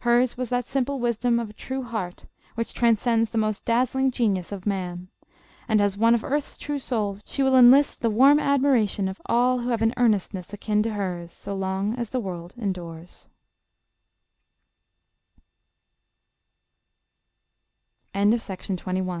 Hers was that simple wisdom of a true heart which transcends the most dazzling genius of man. And as one of earth's true souls, she will enlist the warm admiration of all who have an earnestness akin to hers, so long as the world end